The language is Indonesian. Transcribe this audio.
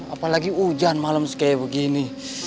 apalagi hujan malam kayak begini